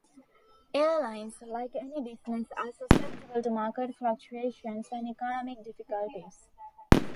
Airlines, like any business, are susceptible to market fluctuations and economic difficulties.